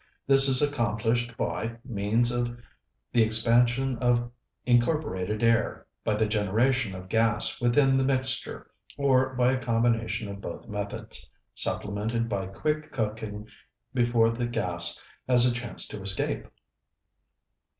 This is accomplished by means of the expansion of incorporated air, by the generation of gas within the mixture, or by a combination of both methods, supplemented by quick cooking before the gas has a chance to escape.